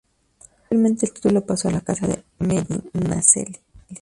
Posteriormente el título pasó a la casa de Medinaceli.